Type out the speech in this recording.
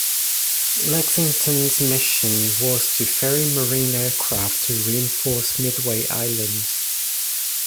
"Lexington"s mission was to ferry Marine aircraft to reinforce Midway Island.